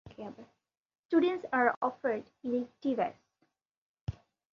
Students are offered electives.